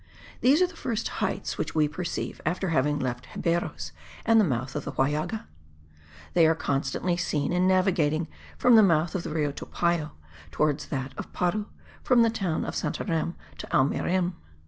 These are the first heights which we perceived after having left Xeberos and the mouth of the Huallaga. They are constantly seen in navigating from the mouth of the Rio Topayo towards that of Paru, from the town of Santarem to Almeirim.